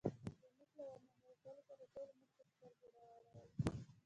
زموږ له ور ننوتلو سره ټولو موږ ته سترګې را واړولې.